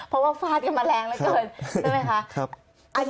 เพราะว่าฟาดกันมาแรงเหลือเกินใช่ไหมคะ